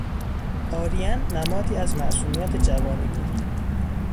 آرین نمادی از معصومیت جوانی بود.